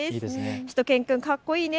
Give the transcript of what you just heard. しゅと犬くん、かっこいいね。